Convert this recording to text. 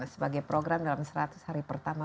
sebagai program dalam seratus hari pertama